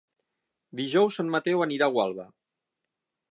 Dijous en Mateu anirà a Gualba.